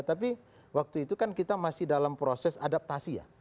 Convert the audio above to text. tapi waktu itu kan kita masih dalam proses adaptasi ya